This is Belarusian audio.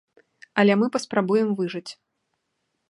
Але мы паспрабуем выжыць.